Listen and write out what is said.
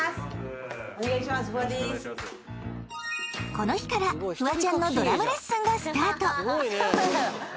［この日からフワちゃんのドラムレッスンがスタート］